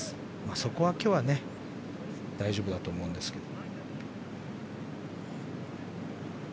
そこは今日は大丈夫だと思うんですけど。